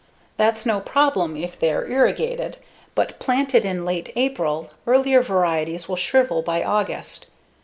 That's no problem if they're irrigated. But planted in late April, earlier varieties will shrivel by August.